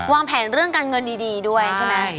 วางแผนเรื่องการเงินดีด้วยใช่ไหม